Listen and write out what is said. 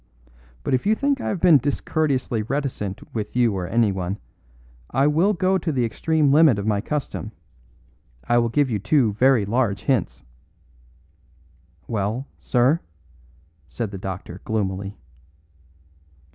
But if you think I have been discourteously reticent with you or anyone, I will go to the extreme limit of my custom. I will give you two very large hints." "Well, sir?" said the doctor gloomily.